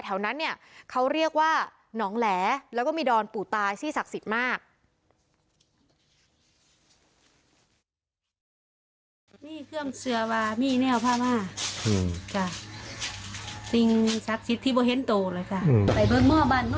แถวนั้นเนี่ยเขาเรียกว่าหนองแหลแล้วก็มีดอนปู่ตาซี่ศักดิ์สิทธิ์มาก